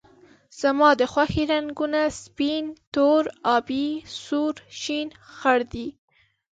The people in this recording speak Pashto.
زما د خوښې رنګونه سپین، تور، آبي ، سور، شین ، خړ دي